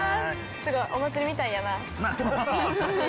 すごいお祭りみたいやな。